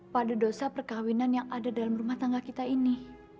pada dosa perkawinan yang ada dalam rumah tangga kita ini